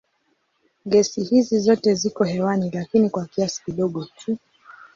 Gesi hizi zote ziko hewani lakini kwa kiasi kidogo tu.